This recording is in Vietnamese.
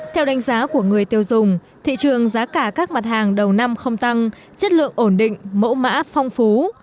theo đánh giá của người tiêu dùng thị trường giá cả các mặt hàng đầu năm không tăng chất lượng ổn định mẫu mã phong phú